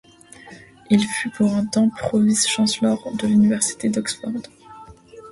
Il fut pour un temps Pro-Vice-Chancellor de l'université d'Oxford.